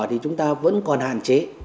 thì chúng ta vẫn còn hạn chế